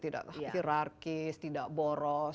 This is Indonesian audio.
tidak hirarkis tidak boros